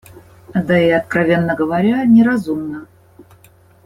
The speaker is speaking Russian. Да и, откровенно говоря, неразумно.